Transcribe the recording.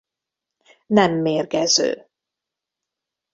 Nem mérgező.